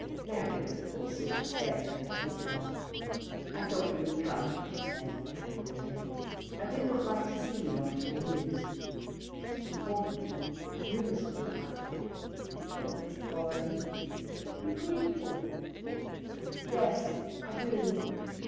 Mary was of course soon upstairs with her husband. "I thought you would come," she said, hanging on him. "I did not like not to see you after the news. It is important. You must feel that." "Poor little boy! Don't you grieve for them." "Yes, I do.